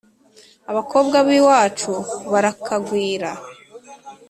Abakobwa b’iwacu barakagwira